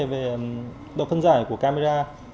về độ phân giải của camera